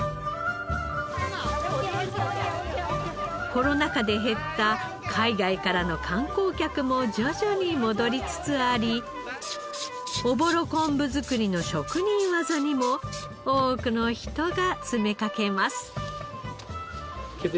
コロナ禍で減った海外からの観光客も徐々に戻りつつありおぼろ昆布作りの職人技にも多くの人が詰めかけます。